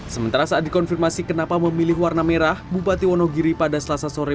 sementara saat dikonfirmasi kenapa memilih warna merah bupati wonogiri pada selasa sore